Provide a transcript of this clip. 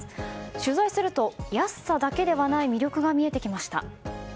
取材すると安さだけではない魅力が見えてきました。